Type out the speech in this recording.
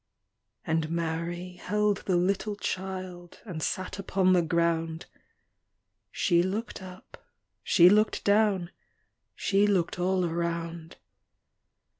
And Mary held the little child And sat upon the ground; She looked up, she looked down, She looked all around.